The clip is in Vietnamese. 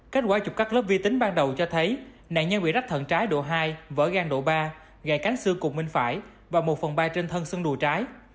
kết quả chụp các lớp vi tính ban đầu cho thấy nạn nhân bị rách thận trái độ hai vỡ gan độ ba gây cánh xương cùng minh phải và một phần bay trên thân xương đùa trái